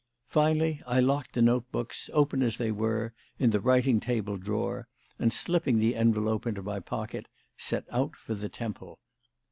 Finally I locked the note books, open as they were, in the writing table drawer, and slipping the envelope into my pocket, set out for the Temple.